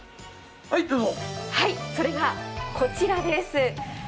それがこちらです。